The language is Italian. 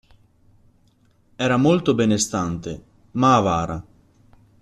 Era molto benestante, ma avara.